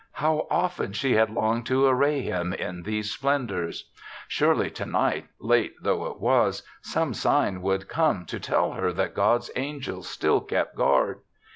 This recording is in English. How often she had longed to array him in these splen dors! Surely tonight, late though it was, some sign would come to tell her that God's angels still kept guard.